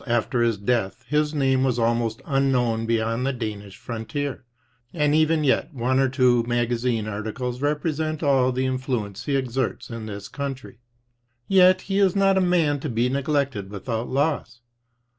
Zum erslen Male aus dem Danischen almost unknown beyond the Danish frontier, and even yet one or two magazine articles represent all the influence he exerts in this country. Yet he is not a man to be neglected without loss.